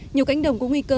nhiều cánh đồng cũng nguy cơ